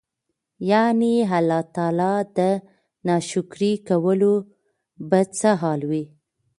يعني الله تعالی د ناشکري کولو به څه حال وي؟!!.